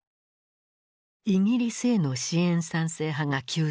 イギリスへの支援賛成派が急増。